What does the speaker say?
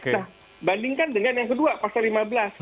nah bandingkan dengan yang kedua pasal lima belas